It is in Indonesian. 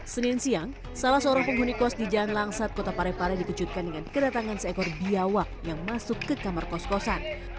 senin siang salah seorang penghuni kos di jalan langsat kota parepare dikejutkan dengan kedatangan seekor biawak yang masuk ke kamar kos kosan